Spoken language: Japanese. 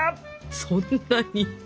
そんなに？